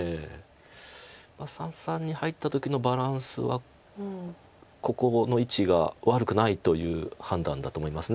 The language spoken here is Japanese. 三々に入った時のバランスはここの位置が悪くないという判断だと思います。